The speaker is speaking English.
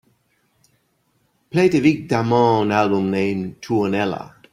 Play the Vic Damone album named Tuonela